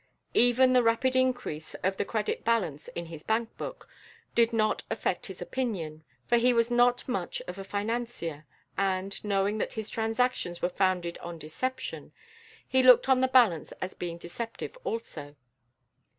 Even the rapid increase of the credit balance in his bank book did not affect his opinion, for he was not much of a financier, and, knowing that his transactions were founded on deception, he looked on the balance as being deceptive also.